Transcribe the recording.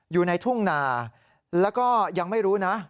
อยู่ในทุ่งนาแล้วก็ยังไม่รู้นะ